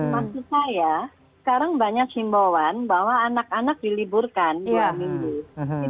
maksud saya sekarang banyak simboan bahwa anak anak diliburkan dua minggu